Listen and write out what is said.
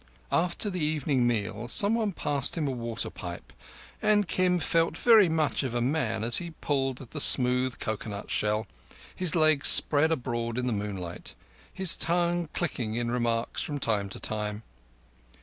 After the evening meal some one passed him a water pipe; and Kim felt very much of a man as he pulled at the smooth coconut shell, his legs spread abroad in the moonlight, his tongue clicking in remarks from time to time.